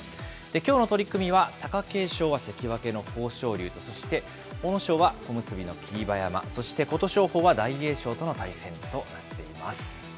きょうの取組は、貴景勝は関脇の豊昇龍と、そして阿武咲は小結の霧馬山、そして琴勝峰は大栄翔との対戦となっています。